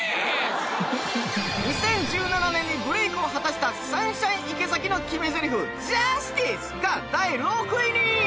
２０１７年にブレイクを果たしたサンシャイン池崎の決めゼリフ「ジャスティス」が第６位に。